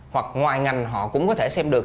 hoặc ngoài ngành họ cũng có thể xem được